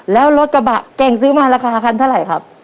แล้วรถกระบะเก่งซื้อมาราคาคันเท่าไหร่ครับ